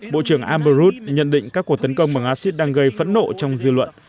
bộ trưởng amber root nhận định các cuộc tấn công bằng acid đang gây phẫn nộ trong dư luận